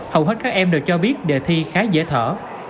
hầu hết các em đều cho biết đề thi khá dễ thở